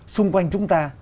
xung quanh chúng ta